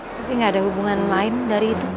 tapi gak ada hubungan lain dari itu